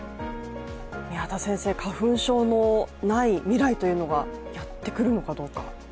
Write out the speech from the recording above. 花粉症のない未来というのがやってくるのかどうか。